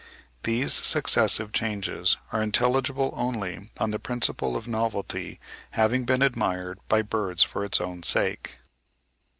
These successive changes are intelligible only on the principle of novelty having been admired by birds for its own sake.